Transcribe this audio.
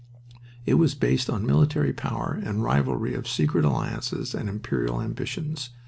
It was based on military power and rivalry of secret alliances and imperial ambitions.